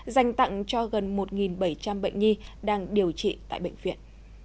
dành tặng cho gần một bảy trăm linh bệnh nhi đang điều trị tại bệnh viện